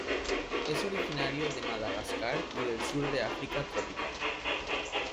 Es originario de Madagascar y del sur de África tropical.